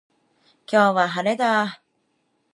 今日は、晴れだ。